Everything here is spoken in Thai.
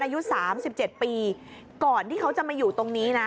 อายุ๓๗ปีก่อนที่เขาจะมาอยู่ตรงนี้นะ